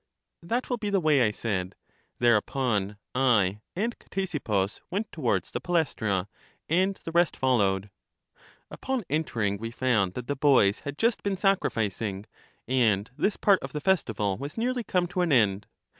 That will be the way, I said. Thereupon I and Ctesippus went towards the Palaestra, and the rest followed. Upon entering we found that the boys had just been sacrificing; and this part of the festival was nearly come to an end.